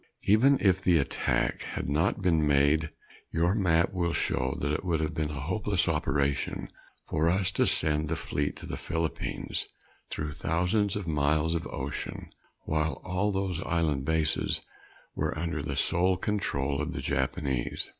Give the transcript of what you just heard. Even if the attack had not been made your map will show that it would have been a hopeless operation for us to send the Fleet to the Philippines through thousands of miles of ocean, while all those island bases were under the sole control of the Japanese.